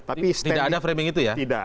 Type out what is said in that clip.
tidak ada framing itu ya